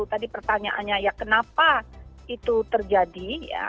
tadi pertanyaannya ya kenapa itu terjadi